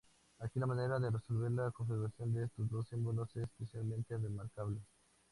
Aquí, la manera de resolver la configuración de estos dos símbolos es especialmente remarcable.